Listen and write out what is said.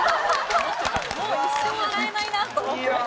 もう一生洗えないなと思って。